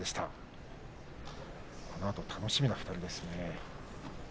このあと楽しみな２人ですね。